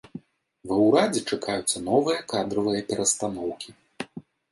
Ва ўрадзе чакаюцца новыя кадравыя перастаноўкі.